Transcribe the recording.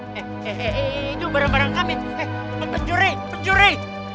he he he itu barang barang kami penjuri penjuri